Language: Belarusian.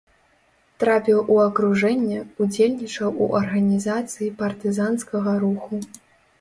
Трапіў у акружэнне, удзельнічаў у арганізацыі партызанскага руху.